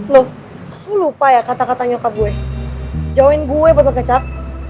lo lu lupa ya kata kata nyokap gue jauhin gue bergecak